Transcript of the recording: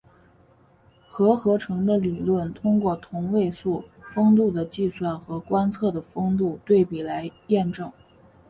核合成的理论通过同位素丰度的计算和观测的丰度比对来验证。